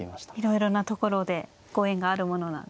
いろいろなところでご縁があるものなんですね。